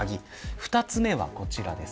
２つ目は、こちらです。